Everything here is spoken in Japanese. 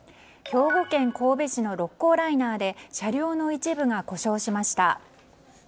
兵庫県神戸市の六甲ライナーで車両の一部が故障しました。